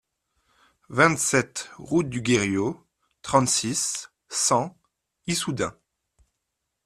vingt-sept route du Guerriau, trente-six, cent, Issoudun